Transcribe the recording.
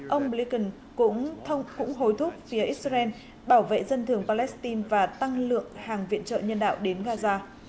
ông blinken cũng hối thúc phía israel bảo vệ dân thường palestine và tăng lượng hàng viện trợ nhân đạo đến gaza